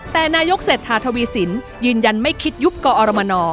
แต่นายกเศรษฐาทวีสินยืนยันไม่คิดยุบกอรมน